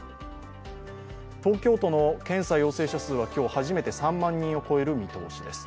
東京都の検査陽性者数は今日初めて３万人を超える見通しです。